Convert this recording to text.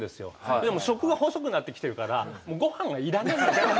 でも食が細くなってきてるからもうごはんが要らない。